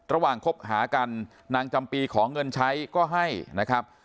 คบหากันนางจำปีขอเงินใช้ก็ให้นะครับ